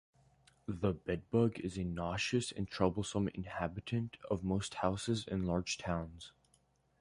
The bedbug is a nauseous and troublesome inhabitant of most houses in large towns.